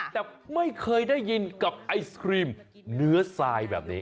แต่ไม่เคยได้ยินกับไอศครีมเนื้อทรายแบบนี้